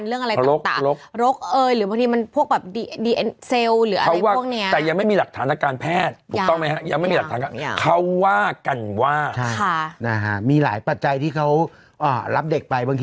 รมคุ้มกันเรื่องอะไรต่าง